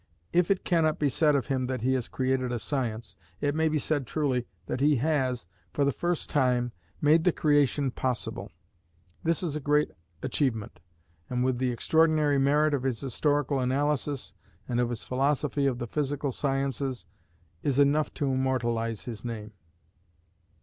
If it cannot be said of him that he has created a science, it may be said truly that he has, for the first time, made the creation possible. This is a great achievement, and, with the extraordinary merit of his historical analysis, and of his philosophy of the physical sciences, is enough to immortalize his name.